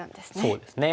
そうですね。